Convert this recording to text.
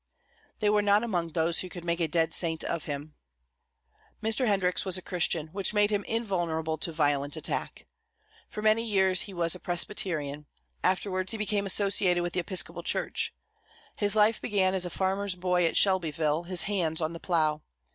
They were not among those who could make a dead saint of him. Mr. Hendricks was a Christian, which made him invulnerable to violent attack. For many years he was a Presbyterian, afterwards he became associated with the Episcopal Church. His life began as a farmer's boy at Shelbyville, his hands on the plough.